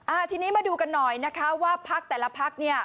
ทีนี้มาดูกันหน่อยนะคะว่าพักแต่ละพักเนี่ย